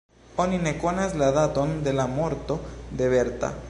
Oni ne konas la daton de la morto de Berta.